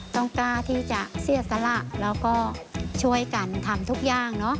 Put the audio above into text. กล้าที่จะเสียสละแล้วก็ช่วยกันทำทุกอย่าง